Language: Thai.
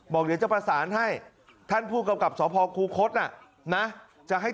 บอกเดี๋ยวจะประสานให้ท่านผู้กำกับสพคูคศน่ะนะจะให้